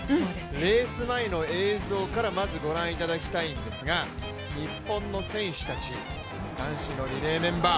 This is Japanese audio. レース前の映像からまずご覧いただきたいんですが日本の選手たち男子のリレーメンバー。